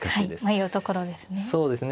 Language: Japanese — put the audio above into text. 迷うところですね。